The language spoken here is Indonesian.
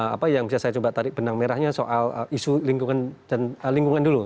apa yang bisa saya coba tarik benang merahnya soal isu lingkungan dan lingkungan dulu